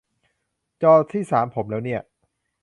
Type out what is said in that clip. จอที่สามผมแล้วเนี่ย